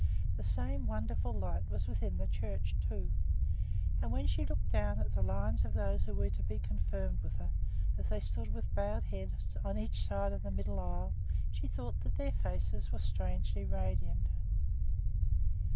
The same wonderful light was within the church, too. And when she looked down the lines of those who were to be confirmed with her, as they stood with bowed heads on each side of the middle aisle, she thought that their faces were strangely radiant.